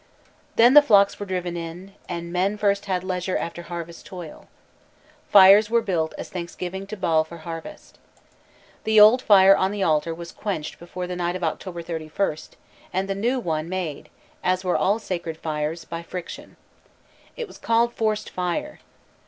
_ Then the flocks were driven in, and men first had leisure after harvest toil. Fires were built as a thanksgiving to Baal for harvest. The old fire on the altar was quenched before the night of October 31st, and the new one made, as were all sacred fires, by friction. It was called "forced fire."